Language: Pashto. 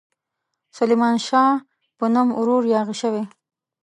سلیمان شاه په نوم ورور یاغي شوی.